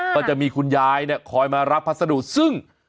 ก็จะมีคุณยายเนี่ยคอยมารับพัสดุซึ่ง